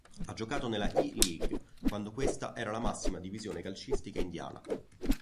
Ha giocato nella I-League quando questa era la massima divisione calcistica indiana.